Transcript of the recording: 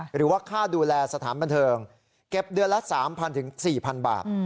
หรือว่าค่าดูแลสถานบันเทิงเก็บเดือนละ๓๐๐๔๐๐บาท